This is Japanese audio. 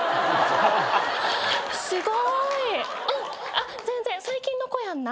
あっ全然最近の子やんな？